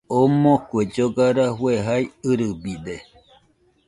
Omo kue lloga rafue jae ɨrɨbide